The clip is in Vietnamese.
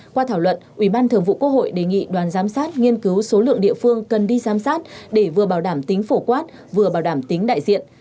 qua thảo luận ủy ban thường vụ quốc hội đề nghị đoàn giám sát nghiên cứu số lượng địa phương cần đi giám sát để vừa bảo đảm tính phổ quát vừa bảo đảm tính đại diện